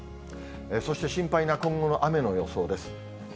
そして心配な今後の雨の予想です。